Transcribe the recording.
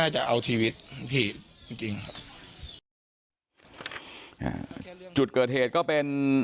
โจตเกิดเหตุก็เป็น